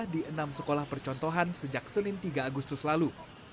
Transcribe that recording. di enam sekolah percontohan sejak senin tiga agustus lalu